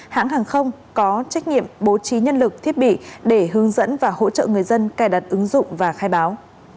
hãng hàng không có trách nhiệm bố trí nhân lực thiết bị để hướng dẫn và hỗ trợ người dân cài đặt ứng dụng và khai báo